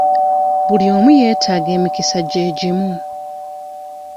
Buli omu yeetaga emikisa gye gimu.